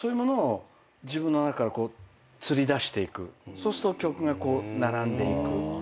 そうすると曲がこう並んでいく。